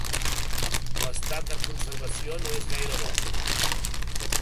L'estat de conservació no és gaire bo.